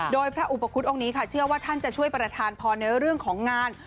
โดยพระอุปคุฎองค์นี้ค่ะเชื่อว่าท่านจะช่วยประธานพรในเรื่องของงาน